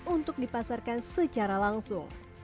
untuk dipasarkan secara langsung